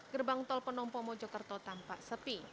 gerbang tol penompo mojokerto tampak sepi